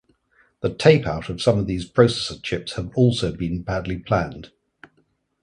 The tape out of some of these processor chips have also been planned.